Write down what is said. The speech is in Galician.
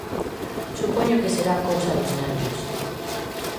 Supoño que será cousa dos nervios.